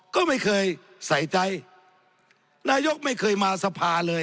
ก็ไม่เคยใส่ใจนายกไม่เคยมาสภาเลย